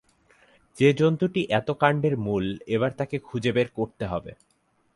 যে জন্তুটি এত কাণ্ডের মূল এবার তাকে খুঁজে বার করতে হবে।